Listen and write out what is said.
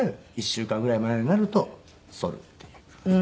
１週間ぐらい前になるとそるっていう。